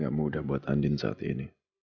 kamu ada di sini